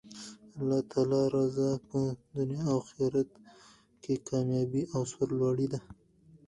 د الله تعالی رضاء په دنیا او اخرت کښي کاميابي او سر لوړي ده.